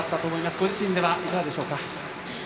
ご自身ではいかがでしょうか。